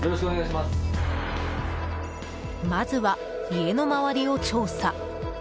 まずは、家の周りを調査。